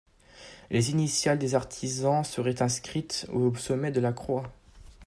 Les initiales des artisans seraient inscrites au sommet de la croix.